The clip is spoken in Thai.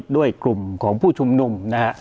ด้วยกลุ่มของผู้ชุมนุ่ม